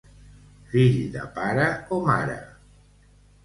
Fill de pare o mare.